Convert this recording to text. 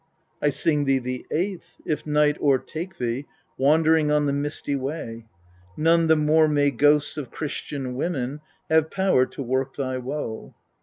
13. I sing thee the eighth : if night o'ertake thee, wandering on the misty way, none the more may ghosts of Christian women have power to work thy woe.